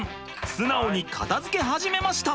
素直に片づけ始めました。